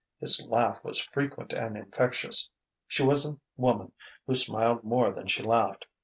His laugh was frequent and infectious. She was a woman who smiled more than she laughed.